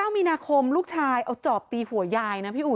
มีนาคมลูกชายเอาจอบตีหัวยายนะพี่อุ๋